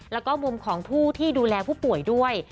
แล้วก็มุมของผู้ที่ดูแลผู้ป่วยด้วย